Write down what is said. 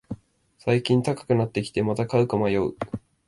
最近高くなってきて、また買うか迷う